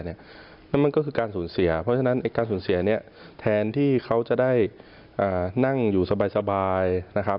นั่นมันก็คือการสูญเสียเพราะฉะนั้นการสูญเสียเนี่ยแทนที่เขาจะได้นั่งอยู่สบายนะครับ